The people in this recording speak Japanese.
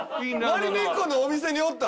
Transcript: マリメッコのお店におった？